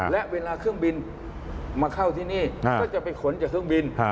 และเวลาเครื่องบินมาเข้าที่นี่ก็จะไปขนจากเครื่องบิน